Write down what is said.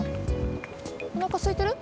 おなかすいてる？